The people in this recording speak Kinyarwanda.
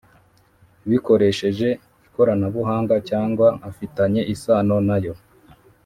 Bkoresheje ikoranabuhanga cyangwa afitanye isano nayo